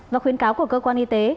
và khuyến cáo của cơ quan y tế